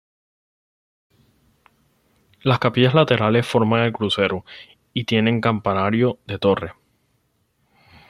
Las capillas laterales forman el crucero, y tiene campanario de torre.